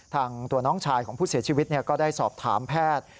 ตัวน้องชายของผู้เสียชีวิตก็ได้สอบถามแพทย์